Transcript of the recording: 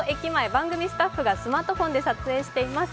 番組スタッフがスマートフォンで撮影しています。